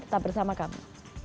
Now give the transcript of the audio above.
tetap bersama kami